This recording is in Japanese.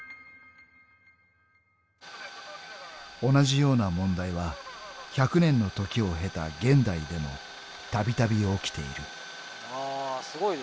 ［同じような問題は１００年の時を経た現代でもたびたび起きている］